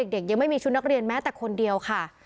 ยังไม่มีชุดนักเรียนแม้แต่คนเดียวค่ะ